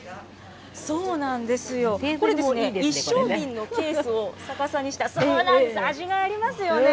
そうなんですよ、これですね、一升瓶のケースを逆さにした、味がありますよね。